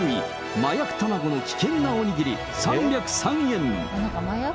麻薬たまごの危険なおにぎり３０３円。